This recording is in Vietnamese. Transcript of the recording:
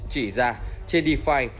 chỉ ra trên defi